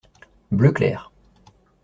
Bleu clair.